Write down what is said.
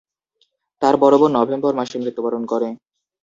তার বড় বোন নভেম্বর মাসে মৃত্যুবরণ করে।